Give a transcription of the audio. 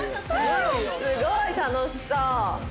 すごい楽しそう！